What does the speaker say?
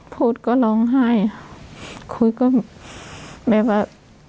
พูดก็ร้องไห้คุยก็แม้ว่า